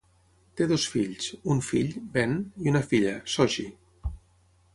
Té dos fills: un fill, Ben, i una filla, Sochi.